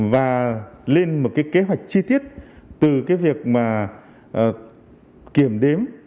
và lên một kế hoạch chi tiết từ việc kiểm đếm